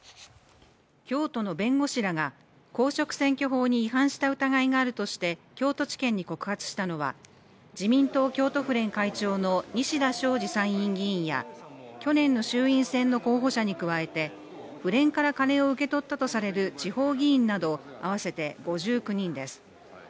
京都の弁護士らが公職選挙法に違反した疑いがあるとして京都地検に告発したのは自民党京都府連会長の西田昌司参院議員や去年の衆院選の候補者に加えて府連から金を受け取ったとされる地方議員など、合わせて５９人です。